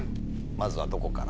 まずはどこから？